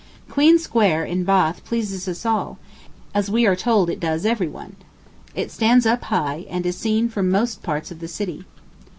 Queen Square, in Bath, pleases us all, as we are told it does every one. It stands up high, and is seen from most parts of the city.